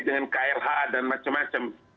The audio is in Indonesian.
dengan klha dan macam macam